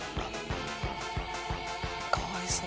かわいそう。